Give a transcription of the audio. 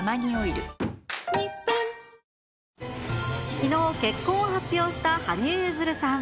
きのう結婚を発表した羽生結弦さん。